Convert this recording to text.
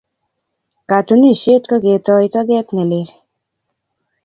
Katunisyet ko ketoi togeet ne lel.